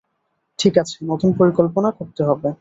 ঠিক আছে, নতুন পরিকল্পনা করতে হবে।